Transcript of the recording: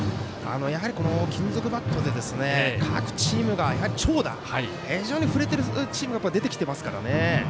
やはり、金属バットで各チームが長打非常に振れてるチームが出てきていますからね。